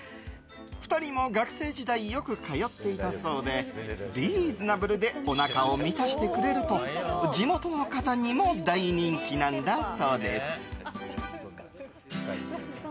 ２人も学生時代よく通っていたそうでリーズナブルでおなかを満たしてくれると地元の方にも大人気なんだそうです。